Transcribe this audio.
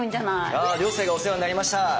あ涼星がお世話になりました。